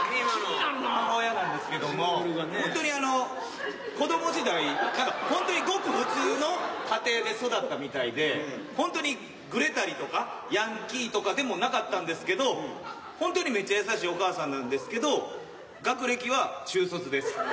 母親なんですけどもほんとにあの子ども時代ほんとにごく普通の家庭で育ったみたいでほんとにグレたりとかヤンキーとかでもなかったんですけどほんとにめっちゃ優しいお母さんなんですけど学歴は中卒です。